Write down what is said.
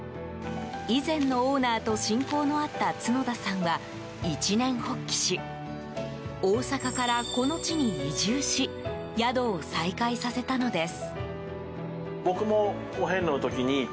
以前のオーナーと親交のあった角田さんは、一念発起し大阪からこの地に移住し宿を再開させたのです。